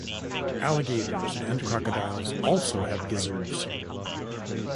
Alligators and crocodiles also have gizzards.